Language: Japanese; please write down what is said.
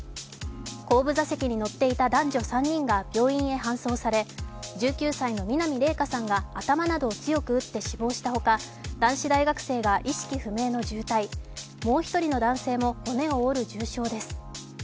後部座席に乗っていた男女３人が病院へ搬送され１９歳の南怜華さんが頭を強く打って死亡したほか男子大学生が意識不明の重体、もう一人の男性も骨を折る重傷です。